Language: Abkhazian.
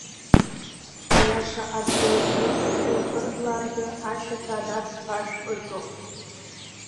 Аиаша, адгьыл иахьнықәыҳәҳәо ихырблааргьы, ашьаҭа адац-ԥашә ыҵоуп.